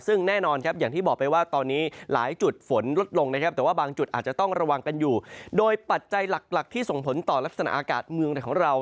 ซึ่งแน่นอนครับอย่างที่บอกไปว่าตอนนี้หลายจุดฝนลดลงนะครับแต่ว่าบางจุดอาจจะต้องระวังกันอยู่โดยปัจจัยหลักหลักที่ส่งผลต่อลักษณะอากาศเมืองไหนของเรา